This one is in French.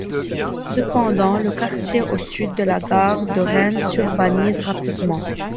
Cependant, le quartier au sud de la gare de Rennes s’urbanise rapidement.